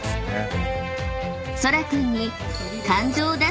［そら君に］